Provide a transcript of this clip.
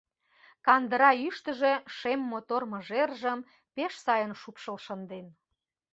кандыра ӱштыжӧ шем мотор мыжержым пеш сайын шупшыл шынден.